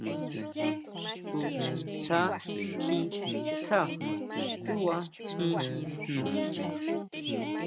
To tsja kjí tsá tsúʼba jín jno.